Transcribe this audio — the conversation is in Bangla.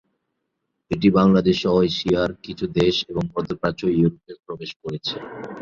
এটি বাংলাদেশসহ এশিয়ার কিছু দেশ এবং মধ্যপ্রাচ্য ও ইউরোপে প্রবেশ করেছে।